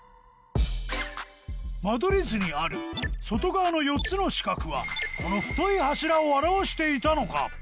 間取り図にある外側の４つの四角はこの太い柱を表していたのか？